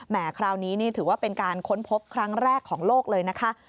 คราวนี้นี่ถือว่าเป็นการค้นพบครั้งแรกของโลกเลยนะคะ